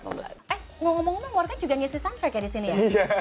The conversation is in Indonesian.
eh ngomong ngomong warga juga ngisi soundtrack ya di sini ya